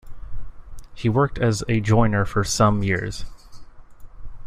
He worked as a joiner for "some years".